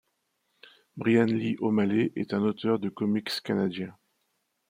Bryan Lee O'Malley est un auteur de comics canadien.